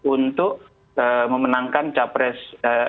untuk memenangkan capresi